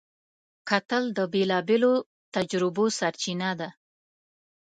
کتل د بېلابېلو تجربو سرچینه ده